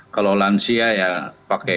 kalau lansia ya pakai